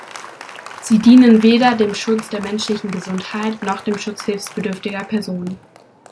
Sie dienen weder dem Schutz der menschlichen Gesundheit noch dem Schutz hilfsbedürftiger Personen.